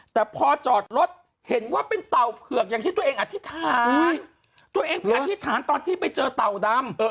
แต่พอจอดรถเห็นว่าเป็นเต่าเผือกอย่างที่ตัวเองอธิษฐานตัวเองไปอธิษฐานตอนที่ไปเจอเต่าดำ